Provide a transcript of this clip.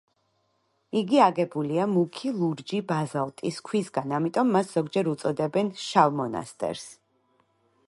იგი აგებულია მუქი ლურჯი ბაზალტის ქვისგან, ამიტომ მას ზოგჯერ უწოდებენ „შავ მონასტერს“.